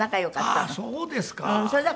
ああーそうですか。